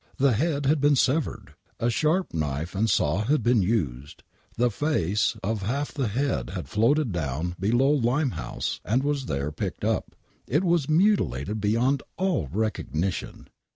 The head had been severed ! A sharp knife and saw had been used ! The face half of the head had floated down below Limehouse and was there picked up ! It was mutilated beyond all recognition